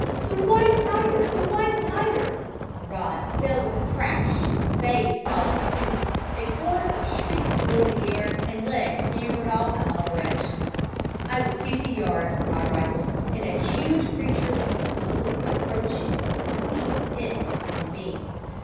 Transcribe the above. "'The white tiger! the white tiger!' Rods fell with a crash, spades followed suit, a chorus of shrieks filled the air, and legs scampered off in all directions. I was fifty yards from my rifle, and a huge creature was slowly approaching between it and me.